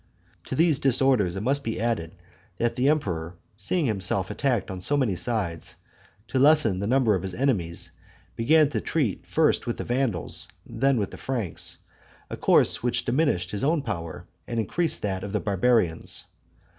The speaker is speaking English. To these disorders it must be added, that the emperor, seeing himself attacked on so many sides, to lessen the number of his enemies, began to treat first with the Vandals, then with the Franks; a course which diminished his own power, and increased that of the barbarians.